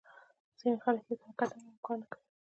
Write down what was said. ځینې خلک هېڅ حرکت نه کوي او کار نه کوي.